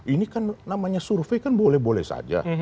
ini kan namanya survei kan boleh boleh saja